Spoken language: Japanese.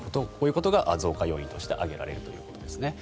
こういうことが増加要因として挙げられるということです。